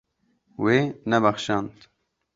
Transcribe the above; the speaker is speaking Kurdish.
Wê nebexşand.